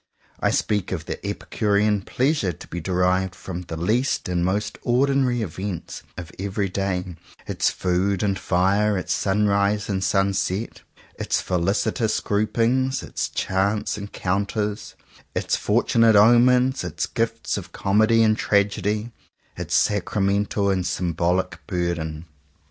I speak of the epicurean pleasure to be derived from the least and most ordinary events of every day — its food and fire, its sunrise and sunset, its felicitous groupings, its chance encount ers, its fortunate omens, its gifts of comedy and tragedy, its sacramental and symbolic burden.